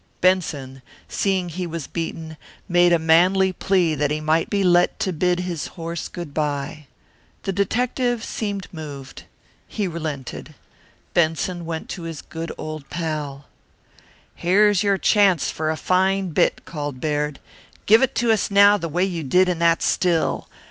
Benson, seeing he was beaten, made a manly plea that he might be let to bid his horse good by. The detective seemed moved. He relented. Benson went to his good old pal. "Here's your chance for a fine bit," called Baird. "Give it to us now the way you did in that still.